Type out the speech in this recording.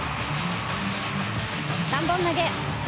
３本投げ。